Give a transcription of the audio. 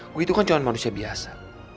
gue itu kan cuma manusia biasa